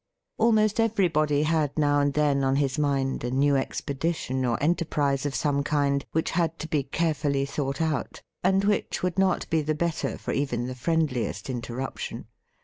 Almost everybody had now and then on his mind a new expedition or enterprise of some kind which had to be carefully thought out, and which would not be the better for even the friendliest interruption.